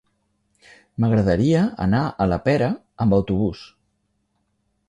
M'agradaria anar a la Pera amb autobús.